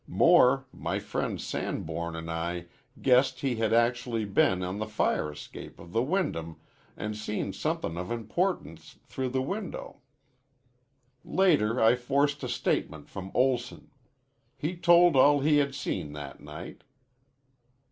More, my friend Sanborn an' I guessed he had actually been on the fire escape of the Wyndham an' seen somethin' of importance through the window. Later I forced a statement from Olson. He told all he had seen that night."